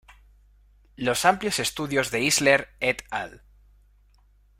Los amplios estudios de Isler "et al".